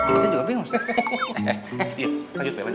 biasanya juga bingung